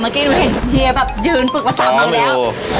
เมื่อกี้ดูเห็นเฮียแบบยืนฝึกภาษามากแล้ว